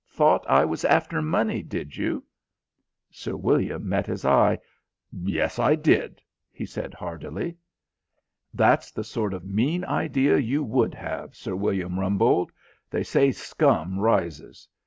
Thought I was after money, did you?" Sir William met his eye. "Yes, I did," he said hardily. "That's the sort of mean idea you would have, Sir William Rumbold. They say scum rises.